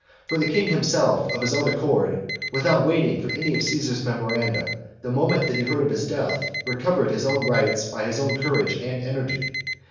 For the king himself, of his own accord, without waiting for any of Caesar's memoranda, the moment that he heard of his death, recovered his own rights by his own courage and energy.